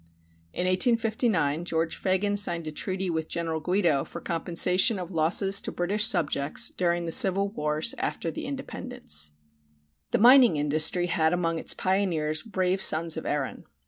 In 1859 George Fagan signed a treaty with General Guido for compensation of losses to British subjects during the civil wars after the Independence. The mining industry had among its pioneers brave sons of Erin.